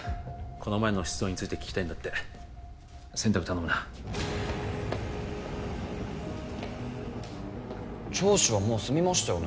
この前の出動について聞きたいんだって洗濯頼むな聴取はもう済みましたよね